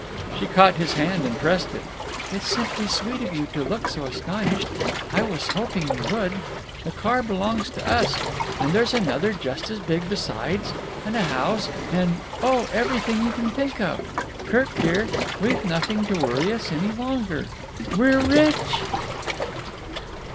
She caught his hand and pressed it. "It's simply sweet of you to look so astonished. I was hoping you would. This car belongs to us, and there's another just as big besides, and a house, and—oh—everything you can think of. Kirk, dear, we've nothing to worry us any longer. We're rich!"